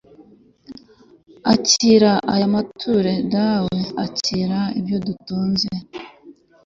r/ akira aya mature dawe akira ibyo dutunze